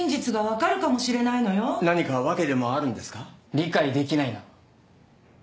理解できないな。